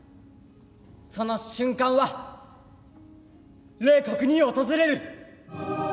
その瞬間は冷酷に訪れる。